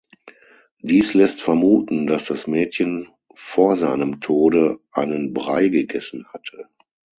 Dies lässt vermuten, dass das Mädchen vor seinem Tode einen Brei gegessen hatte.